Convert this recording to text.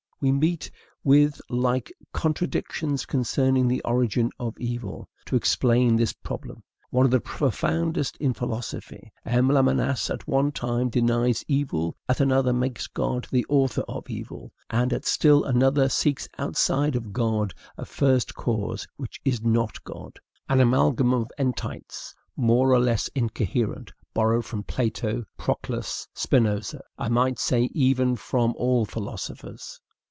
We meet with like contradictions concerning the origin of evil. To explain this problem, one of the profoundest in philosophy, M. Lamennais at one time denies evil, at another makes God the author of evil, and at still another seeks outside of God a first cause which is not God, an amalgam of entites more or less incoherent, borrowed from Plato, Proclus, Spinoza, I might say even from all philosophers.